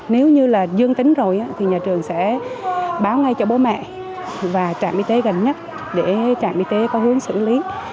nếu như là dương tính rồi thì nhà trường sẽ báo ngay cho bố mẹ và trạm y tế gần nhất để trạm y tế có hướng xử lý